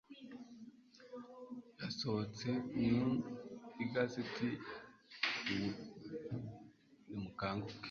yasohotse mu igazeti ya Nimukanguke